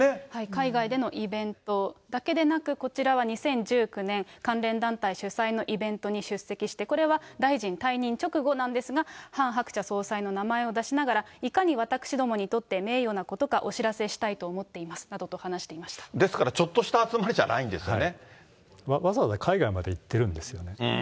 海外でのイベントだけでなく、これは２０１９年、関連団体主催のイベントに出席して、これは大臣退任直後なんですが、ハン・ハクチャ総裁の名前を出しながら、いかに私どもにとって名誉なことかお知らせしたいと思っていますですからちょっとした集まりわざわざ海外まで行ってるんですよね。